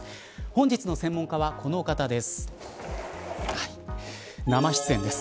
本日の専門家は、この方です。